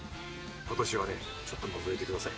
今年はねちょっとのぞいてください。